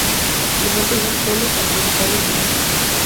Le faltan algunos folios al principio y al final.